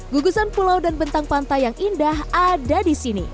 gugusan pulau dan bentang pantai yang indah ada di sini